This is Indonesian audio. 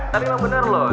tapi emang bener loh